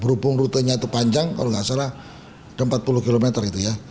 berhubung rutenya itu panjang kalau nggak salah empat puluh km gitu ya